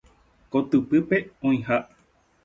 Kotypýpe oĩha.